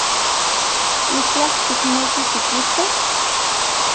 ¿Itlaj tikneki tikijtos?